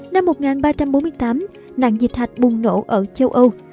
năm một nghìn ba trăm bốn mươi tám nạn dịch hạch bùng nổ ở châu âu